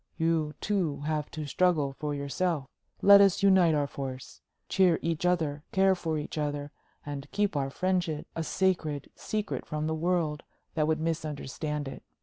You, too, have to struggle for yourself. Let us unite our forces cheer each other, care for each other and keep our friendship a sacred secret from the world that would misunderstand it.